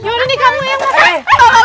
yoi ini kamu yang mau masak